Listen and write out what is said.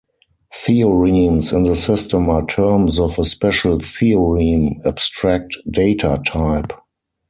Theorems in the system are terms of a special "theorem" abstract data type.